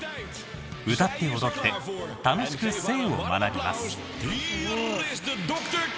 歌って踊って楽しく性を学びます。